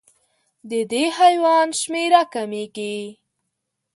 د دې حیوان شمېره کمېږي.